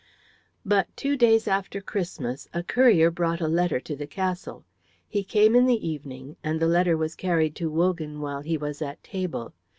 But two days after Christmas a courier brought a letter to the castle. He came in the evening, and the letter was carried to Wogan while he was at table.